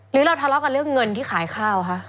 หรือเราทะเลาะกับเรื่องเงินที่ขายข้าวคะ